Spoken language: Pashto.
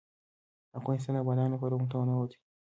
افغانستان د بادام له پلوه متنوع دی.